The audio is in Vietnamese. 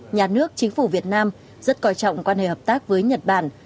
nhà nước chính phủ việt nam rất coi trọng quan hệ hợp tác với nhật bản